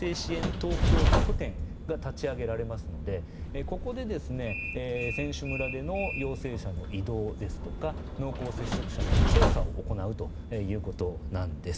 東京拠点が立ち上げられますのでここで選手村での陽性者の移動ですとか濃厚接触者の調査を行うということなんです。